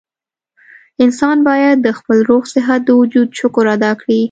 انسان بايد د خپل روغ صحت د وجود شکر ادا کړي